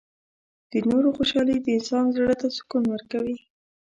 • د نورو خوشحالي د انسان زړۀ ته سکون ورکوي.